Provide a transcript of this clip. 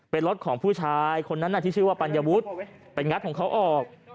เป็นรถของผู้ชายคนนั้นที่ชื่อว่าปัญวุฒิไปงัดของเขาออก